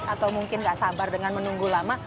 atau mungkin gak sabar dengan menunggu lama